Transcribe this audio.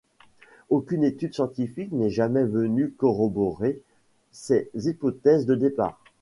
Aucune étude scientifique n'est jamais venue corroborer ses hypothèses de départ.